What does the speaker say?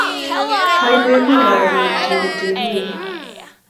I bi kure kanetindet inguni?